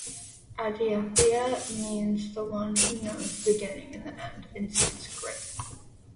Adyanthaya means "the one who knows the beginning and the end" in Sanskrit.